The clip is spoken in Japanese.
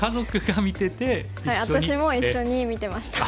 私も一緒に見てました。